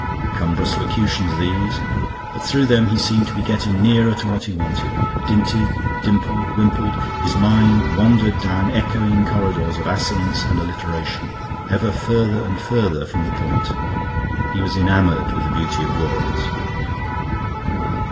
Cumbrous locutions, these; but through them he seemed to be getting nearer to what he wanted. Dinted, dimpled, wimpled his mind wandered down echoing corridors of assonance and alliteration ever further and further from the point. He was enamoured with the beauty of words.